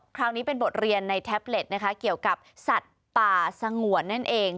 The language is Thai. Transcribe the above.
คราวนี้เป็นบทเรียนในแท็บเล็ตนะคะเกี่ยวกับสัตว์ป่าสงวนนั่นเอง